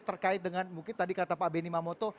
terkait dengan mungkin tadi kata pak benny mamoto